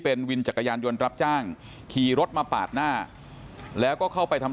เป็นวินจักรยานยนต์รับจ้างขี่รถมาปาดหน้าแล้วก็เข้าไปทำ